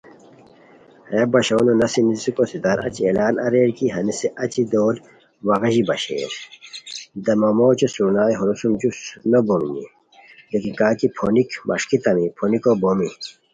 ہیہ باشونو نسی نیسیکو ستھار اچی اعلان اریر کی، ہنیسے اچی دول وا غیژی باشئیر، دمامہ اوچے سرنائے ہورو سُم جوستہ نوبونی، لیکن کاکی پھونیک مݰکیتامی پھونیکو بومی